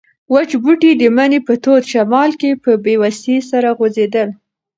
وچ بوټي د مني په تود شمال کې په بې وسۍ سره خوځېدل.